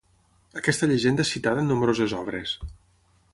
Aquesta llegenda és citada en nombroses obres.